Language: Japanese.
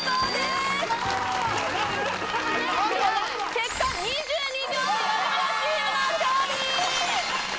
結果２２秒でよるブラチームの勝利！